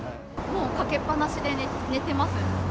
もうかけっぱなしで寝てます。